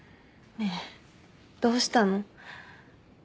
ねえどうしたの？